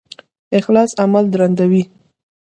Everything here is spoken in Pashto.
اخلاص عمل دروندوي